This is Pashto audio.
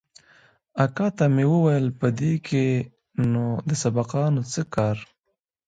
اکا ته مې وويل په دې کښې نو د سبقانو څه کار.